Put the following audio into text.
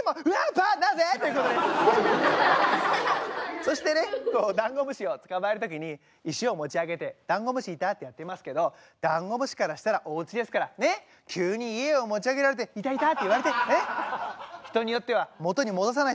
そしてねダンゴムシを捕まえる時に石を持ち上げて「ダンゴムシいた」ってやってますけどダンゴムシからしたらおうちですから急に家を持ち上げられて「いたいた」って言われて人によっては元に戻さない人がいるからね。